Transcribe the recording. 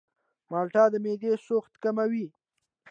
مالټه د معدې سوخت کموي.